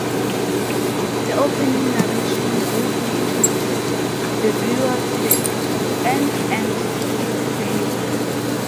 The opening narration briefly introduces the viewer to the ant and its behavior.